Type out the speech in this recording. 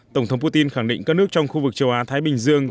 tổng thống putin khẳng định các nước trong khu vực châu á thái bình dương